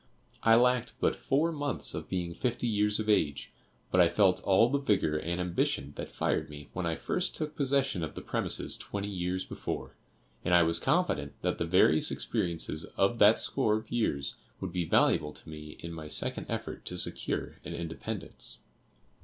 I lacked but four months of being fifty years of age; but I felt all the vigor and ambition that fired me when I first took possession of the premises twenty years before; and I was confident that the various experiences of that score of years would be valuable to me in my second effort to secure an independence.